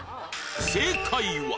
正解は